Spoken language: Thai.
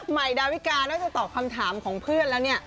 ใหม่ดาวิกานอกจากตอบคำถามของเพื่อนแล้วเนี่ย